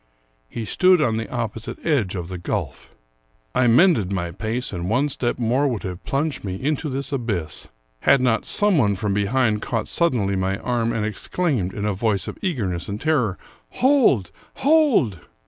He stood on the opposite edge of the gulf. I mended my pace, and one step more would have plunged me into this abyss, had not some one from behind caught suddenly my arm, and exclaimed, in a voice of eagerness and terror, " Hold ! hold